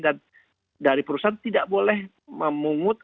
dan dari perusahaan tidak boleh memungut